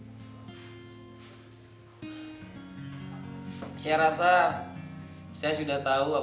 jadi saya rasa saya sudah tahu apa yang harus saya lakukan